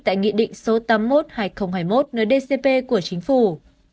tại nghị định số tám mươi một hai nghìn hai mươi một nơi dcp của chính phủ